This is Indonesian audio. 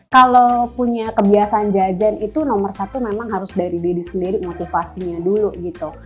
kalau punya kebiasaan jajan itu nomor satu memang harus dari diri sendiri motivasinya dulu gitu